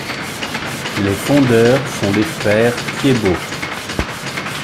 Les fondeurs sont les frères Thiébaut.